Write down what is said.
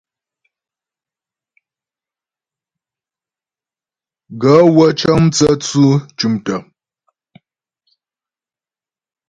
Gaê wə́ cə́ŋ mtsə́tsʉ̂ tʉ̀mtə̀.